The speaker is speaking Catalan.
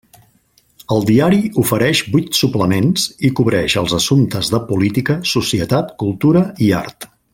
El diari ofereix vuit suplements i cobreix els assumptes de política, societat, cultura i art.